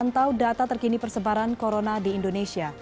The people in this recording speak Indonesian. pantau data terkini persebaran corona di indonesia